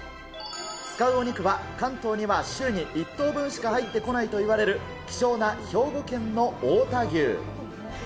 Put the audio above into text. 使うお肉は、関東には週に１頭分しか入ってこないといわれる、希少な兵庫県の太田牛。